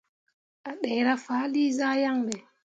A ɗeera faali zah yaŋ ɓe.